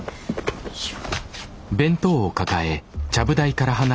よいしょ。